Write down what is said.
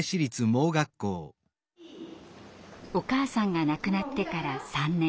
お母さんが亡くなってから３年。